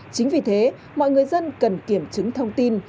chính vì thế mọi người dân cần kiểm chứng thông tin